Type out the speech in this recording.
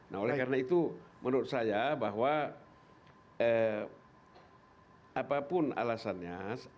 nah oleh karena itu menurut saya bahwa apapun alasannya